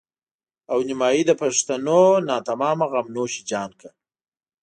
او نيمایي د پښتنو ناتمامه غم نوش جان کړه.